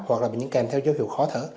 hoặc là bệnh nhân kèm theo dấu hiệu khó thở